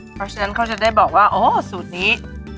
เพราะฉะนั้นเขาจะได้บอกว่าโอ้สูตรนี้